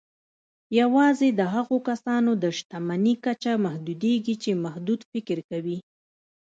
يوازې د هغو کسانو د شتمني کچه محدودېږي چې محدود فکر کوي.